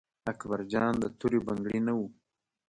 اکبر جان د تورې بنګړي نه و.